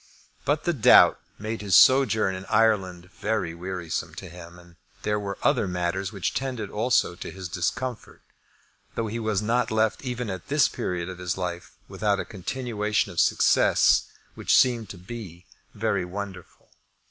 But the doubt made his sojourn in Ireland very wearisome to him. And there were other matters which tended also to his discomfort, though he was not left even at this period of his life without a continuation of success which seemed to be very wonderful.